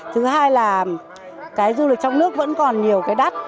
thứ hai là cái du lịch trong nước vẫn còn nhiều cái đắt